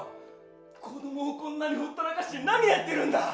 子どもをこんなにほったらかして何やってるんだ。